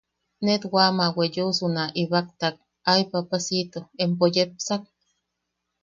Net wam a weyeosu na ibaktak: ¡Ay papacito! Empo yepsak.